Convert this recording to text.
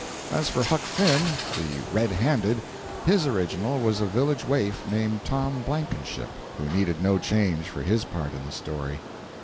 As for Huck Finn, the "Red Handed," his original was a village waif named Tom Blankenship, who needed no change for his part in the story.